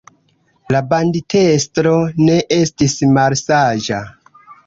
La banditestro ne estis malsaĝa.